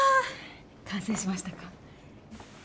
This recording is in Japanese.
完成しましたか。